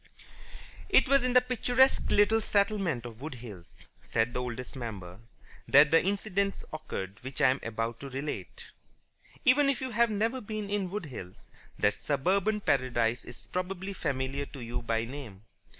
It was in the picturesque little settlement of Wood Hills (said the Oldest Member) that the incidents occurred which I am about to relate. Even if you have never been in Wood Hills, that suburban paradise is probably familiar to you by name.